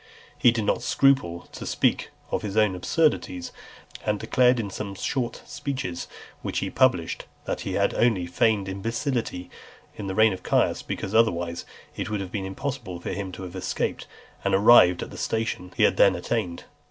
He did not scruple to speak of his own absurdities, and declared in some short speeches which he published, that he had only feigned imbecility in the reign of Caius, because otherwise it would have been impossible for him to have escaped and arrived at the station he had then attained.